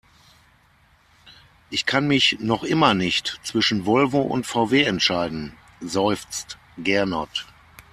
Ich kann mich noch immer nicht zwischen Volvo und VW entscheiden, seufzt Gernot.